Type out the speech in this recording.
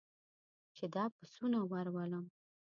چې دا پسونه ور ولم.